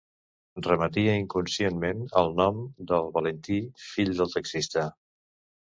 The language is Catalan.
Remetia inconscientment al nom del Valentí fill del taxista.